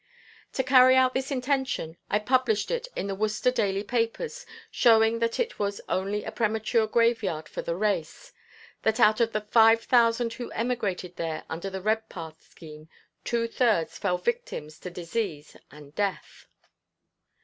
To carry out this intention I published it in the Worcester daily papers showing that it was only a premature graveyard for the race. That out of the five thousand who emigrated there under the Redpath scheme, two thirds fell victims to disease and death.